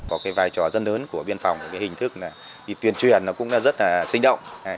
có cái vai trò rất lớn của biên phòng là hình thức đi tuyển truyền nó cũng rất là sinh động